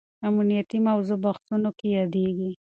امنیتي موضوع بحثونو کې یادېږي.